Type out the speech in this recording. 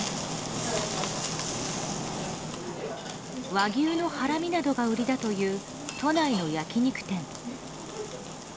和牛のハラミなどが売りだという、都内の焼き肉店。